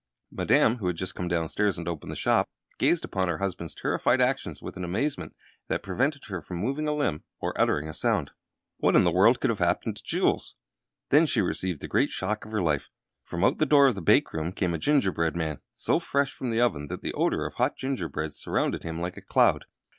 Madame, who had just come downstairs and opened the shop, gazed upon her husband's terrified actions with an amazement that prevented her from moving a limb or uttering a sound. What in the world could have happened to Jules? Then she received the greatest shock of her life. [Illustration: MONSIEUR JULES TURNED AND FLED.] From out the door of the bake room came a gingerbread man, so fresh from the oven that the odor of hot gingerbread surrounded him like a cloud.